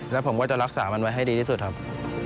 แล้วผมก็จะรักษามันไว้ให้ดีที่สุดครับ